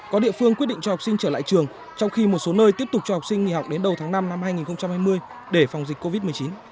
có địa phương quyết định cho học sinh trở lại trường trong khi một số nơi tiếp tục cho học sinh nghỉ học đến đầu tháng năm năm hai nghìn hai mươi để phòng dịch covid một mươi chín